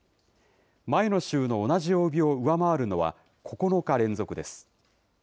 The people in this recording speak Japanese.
前の週の同じ曜日を上回るのは９日連続です。